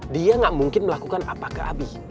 dia gak mungkin melakukan apa ke abih